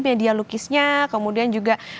media lukisnya kemudian juga